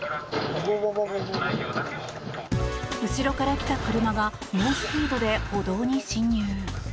後ろから来た車が猛スピードで歩道に進入。